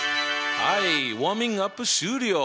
はいウォーミングアップ終了。